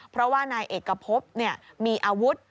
เพราะว่านายเอกพบมีอาวุธ